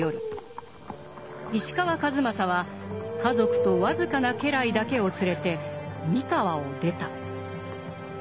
石川数正は家族と僅かな家来だけを連れて三河を出た。